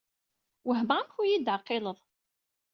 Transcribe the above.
Wehmeɣ amek ur yi-d-teɛqileḍ.